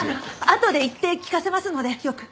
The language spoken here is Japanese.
あとで言って聞かせますのでよく。